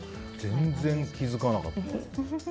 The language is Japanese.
全然気づかなかった。